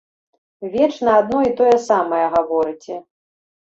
Вечна адно і тое самае гаворыце.